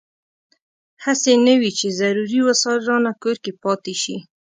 هسې نه وي چې ضروري وسایل رانه کور کې پاتې شي.